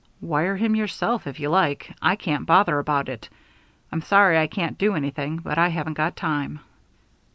"Wire him yourself, if you like. I can't bother about it. I'm sorry I can't do anything, but I haven't got time."